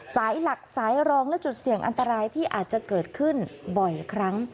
สายหลักสายรองและจุดเสี่ยงอันตรายที่อาจจะเกิดขึ้นบ่อยครั้ง